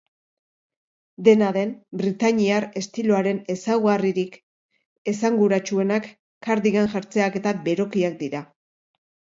Dena den, britainiar estiloaren ezaugarririk esanguratsuenak cardigan jertseak eta berokiak dira.